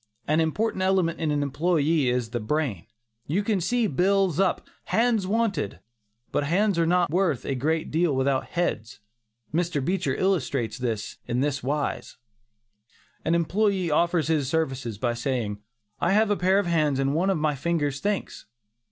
An important element in an employee is the brain. You can see bills up, "Hands Wanted," but "hands" are not worth a great deal without "heads." Mr. Beecher illustrates this, in this wise: An employee offers his services by saying, "I have a pair of hands and one of my fingers thinks."